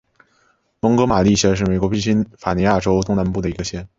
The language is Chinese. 蒙哥马利县是美国宾夕法尼亚州东南部的一个县。